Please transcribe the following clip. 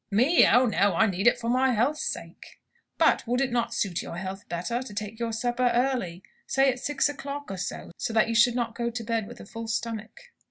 "Me? Oh, no! I need it for my health's sake." "But would it not suit your health better, to take your supper early? Say at six o'clock or so; so that you should not go to bed with a full stomach."